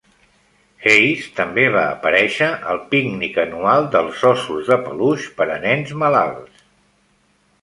Hayes també va aparèixer al pícnic anual dels óssos de peluix per a nens malalts.